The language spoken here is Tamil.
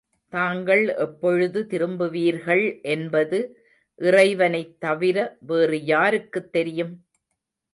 தாங்கள் எப்பொழுது திரும்புவீர்கள் என்பது இறைவனைத் தவிர வேறு யாருக்குத் தெரியும்?